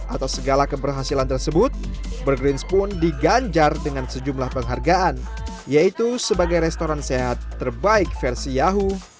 atas segala keberhasilan tersebut burgrins pun diganjar dengan sejumlah penghargaan yaitu sebagai restoran sehat terbaik versi yahoo